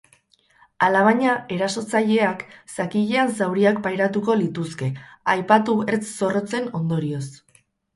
Alabaina, erasotzaileak zakilean zauriak pairatuko lituzke, aipatu ertz zorrotzen ondorioz.